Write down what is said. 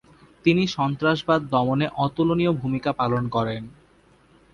তিনি সন্ত্রাসবাদ দমনে অতুলনীয় ভূমিকা পালন করেন।